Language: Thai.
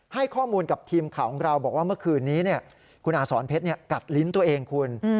ให้ข้อมูลกับทีมข่าวของเราบอกว่าเมื่อคืนนี้คุณอาสอนเพชรกัดลิ้นตัวเองคุณ